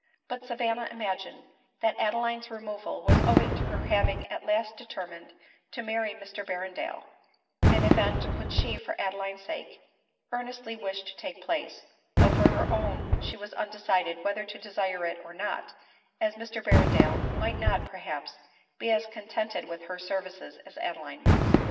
But Savanna imagined that Adeline's removal was owing to her having at last determined to Marry Mr Berrendale; an event which she, for Adeline's sake, ear nestly wished to take place, though for her own she was undecided whether to desire it or not, as Mr Berrendale might not perhaps, be as contented with her services as Adeline was.